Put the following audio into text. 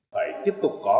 phải tiếp tục có